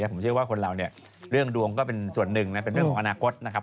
ผมเชื่อว่าคนเราเนี่ยเรื่องดวงก็เป็นส่วนหนึ่งนะเป็นเรื่องของอนาคตนะครับ